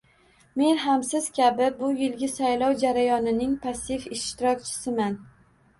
Men ham siz kabi bu yilgi saylov jarayonining passiv ishtirokchisiman